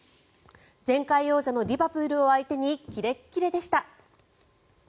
前回王者のリバプールを相手にキレッキレでした！